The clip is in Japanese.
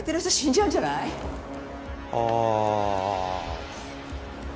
ああ。